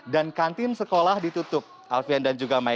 dan kantin sekolah ditutup alfian dan juga mai